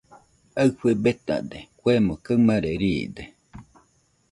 Aɨfɨ betade, kuemo kaɨmare riide.